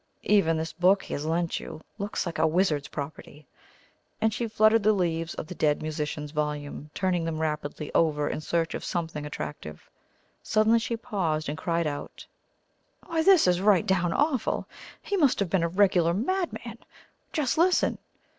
Even this book he has lent you looks like a wizard's property;" and she fluttered the leaves of the "Dead Musician's" volume, turning them rapidly over in search of something attractive. Suddenly she paused and cried out: "Why, this is right down awful! He must have been a regular madman! Just listen!"